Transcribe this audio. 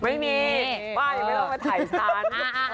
ไม่มีไม่ต้องมาถ่ายฉัน